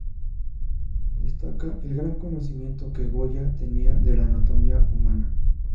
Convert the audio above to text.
Destaca el gran conocimiento que Goya tenía de la anatomía humana.